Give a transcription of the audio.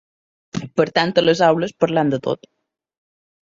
Per tant a les aules parlem de tot.